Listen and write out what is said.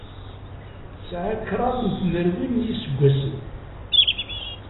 Sɛiɣ kraḍt n tmerwin n yiseggasen.